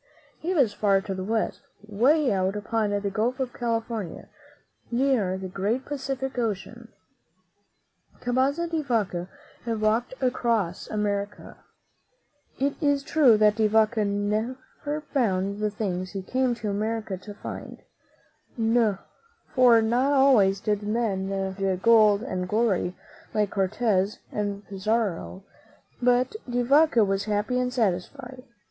He was far to the West, way out upon the Gulf of California, near the great Pacific Ocean. Cabeza de Vaca had walked across America. iO^ 75 THE M E N WHO FOUND AMERICA It is true that De Vaca never found the things he came to America to find; for not always did men find gold and glory like Cortez and Pizarro. But De Vaca was happy and satisfied.